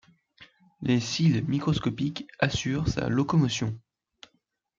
Les cils microscopiques assurent sa locomotion.